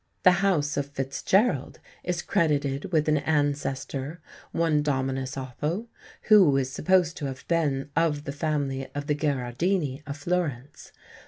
The house of Fitzgerald is credited with an ancestor, one Dominus Otho, "who is supposed to have been of the family of the Gherardini of Florence.